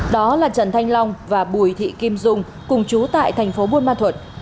đó là trần thanh long và bùi thị kim dung cùng chú tại thành phố buôn ma thuật